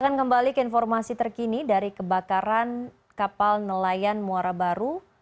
kita akan kembali ke informasi terkini dari kebakaran kapal nelayan muara baru